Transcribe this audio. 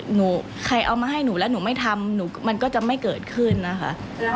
ใครเอามาให้หนูแล้วหนูไม่ทำหนูมันก็จะไม่เกิดขึ้นนะคะ